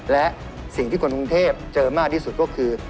และสิ่งที่คนกรุงเทพเจอมากที่สุดก็คือ